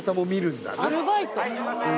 すいません。